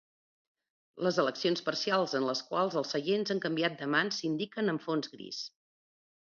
Les eleccions parcials en les quals els seients han canviat de mans s'indiquen en fons gris.